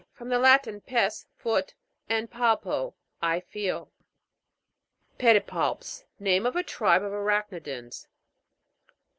From the Latin, pes, foot, and palpo, I feel. PE'DIPALPS. Name of a tribe of arach'nidans.